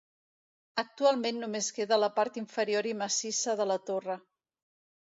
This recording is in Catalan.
Actualment només queda la part inferior i massissa de la torre.